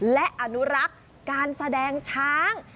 และอนุรักษ์การแสดงช้าง